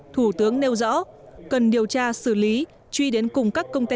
thủ tướng nêu rõ cần điều tra xử lý truy đến cùng các công ty